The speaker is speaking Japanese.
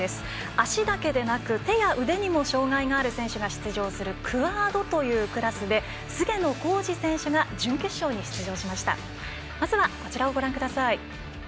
足だけでなく手や腕にも障がいがある選手が出場するクアードというクラスで菅野浩二選手が準決勝に出場しました。